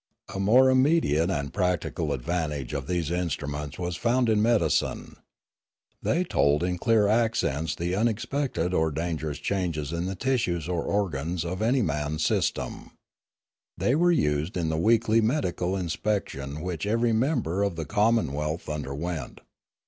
A more immediate and practical advantage of these instruments was found in medicine. They told in clear accents the unexpected or dangerous changes in the tissues or organs of any man's system. They were used in the weekly medical inspection, which every member of the commonwealth underwent.